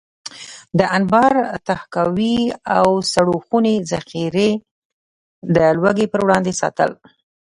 د انبار، تحکاوي او سړو خونې ذخیرې د لوږې پر وړاندې ساتل.